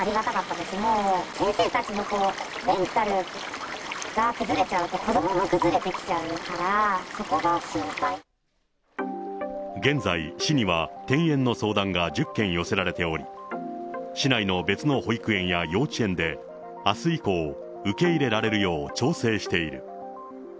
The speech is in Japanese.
先生たちのメンタルが崩れちゃうと、子どもも崩れてきちゃうから、現在、市には転園の相談が１０件寄せられており、市内の別の保育園や幼稚園で、あす以降、受け入れられるよう調整している。